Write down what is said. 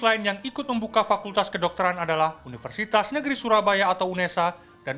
lain yang ikut membuka fakultas kedokteran adalah universitas negeri surabaya atau unesa dan